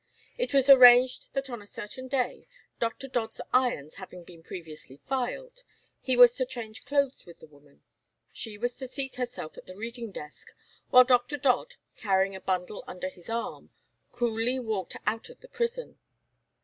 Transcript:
It was arranged that on a certain day, Dr. Dodd's irons having been previously filed, he was to change clothes with the woman. She was to seat herself at the reading desk while Dr. Dodd, carrying a bundle under his arm, coolly walked out of the prison.